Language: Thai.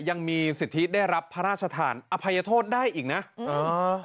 ยังมีสิทธิได้รับพระราชทานอภัยโทษได้อีกนะเออ